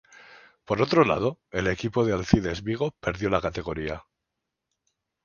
Por otro lado, el equipo de Alcides Vigo perdió la categoría.